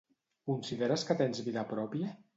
Consideres que tens vida pròpia?